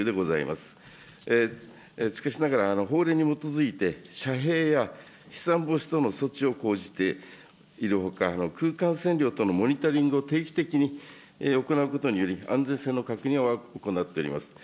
しかしながら、法令に基づいて、遮蔽や飛散防止等の措置を講じているほか、空間線量等のモニタリングを定期的に行うことにより、安全性の確認を行っております。